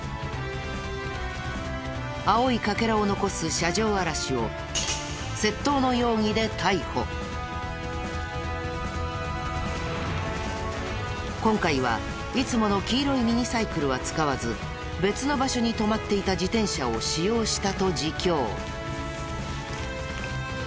青い欠片を残す車上荒らしを今回はいつもの黄色いミニサイクルは使わず別の場所に止まっていた自転車を使用したと自供。